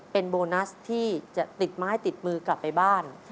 เป็นโบนัสที่จะติดไม้ติดมือกลับไปบ้าน